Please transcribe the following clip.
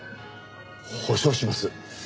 保証します。